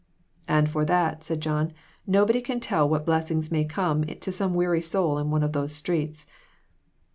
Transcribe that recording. " And for that," said John, "nobody can tell what blessings may come to some weary soul in one of these streets."